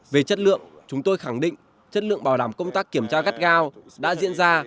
về chất lượng chúng tôi khẳng định chất lượng bảo đảm công tác kiểm tra gắt gao đã diễn ra